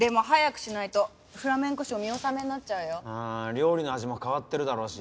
料理の味も変わってるだろうし。